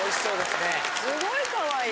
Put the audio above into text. すごいかわいい！